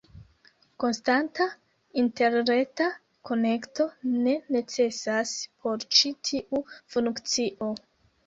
Konstanta interreta konekto ne necesas por ĉi tiu funkcio.